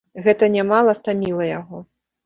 Гэта нямала стаміла яго.